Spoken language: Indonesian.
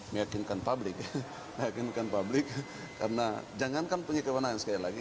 meyakinkan publik meyakinkan publik karena jangankan punya kewenangan sekali lagi